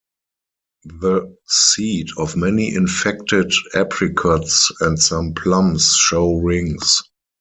The seed of many infected apricots and some plums show rings.